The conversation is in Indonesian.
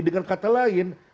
dengan kata lain